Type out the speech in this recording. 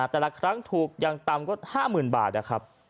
แต่ละครั้งถูกอย่างต่ำก็๕๐๐๐บาทนะครับ